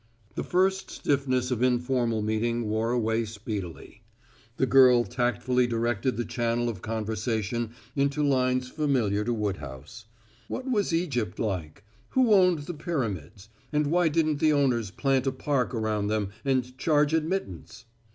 The first stiffness of informal meeting wore away speedily. The girl tactfully directed the channel of conversation into lines familiar to Woodhouse. What was Egypt like; who owned the Pyramids, and why didn't the owners plant a park around them and charge admittance?